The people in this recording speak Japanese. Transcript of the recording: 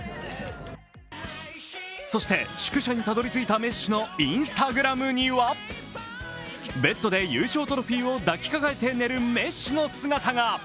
そして宿舎にたどり着いたメッシのＩｎｓｔａｇｒａｍにはベッドで優勝トロフィーを抱きかかえて寝るメッシの姿が。